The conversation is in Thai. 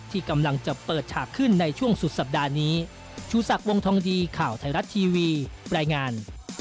ที่กำลังจะเปิดฉากขึ้นในช่วงสุดสัปดาห์นี้ชูศักดิ์วงทองดีข่าวไทยรัฐทีวีรายงาน